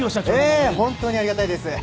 ええ本当にありがたいです。